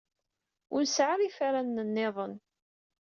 Ur nesɛi ara ifranen nniḍen.